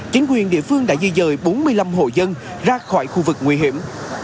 chính quyền địa phương đã di dời bốn mươi năm hộ dân ra khỏi khu vực nguy hiểm